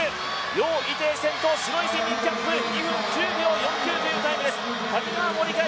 余依テイ先頭白いスイミングキャップ２分１０秒４９というタイムです。